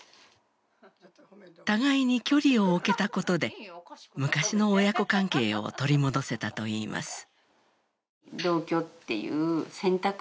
互いに距離を置けたことで昔の親子関係を取り戻せたといいます。